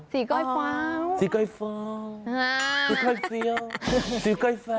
สีก้อยเฟ้าสีก้อยเฟ้าสีก้อยเฟียลสีก้อยเฟ้า